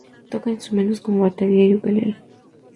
Toca instrumentos, como batería y ukelele.